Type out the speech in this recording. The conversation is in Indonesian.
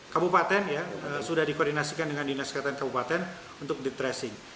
kabupaten sudah dikoordinasikan dengan dinasikatan kabupaten untuk deep tracing